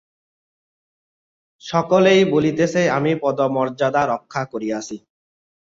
সকলেই বলিতেছে আমি পদমর্যাদা রক্ষা করিয়াছি।